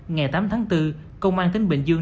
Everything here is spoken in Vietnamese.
ngày tám tháng bốn công an tính bình dương